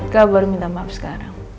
kau baru minta maaf sekarang